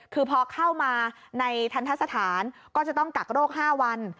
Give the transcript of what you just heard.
คือพอเข้ามาในทันทะสถานก็จะต้องกักโรค๕วัน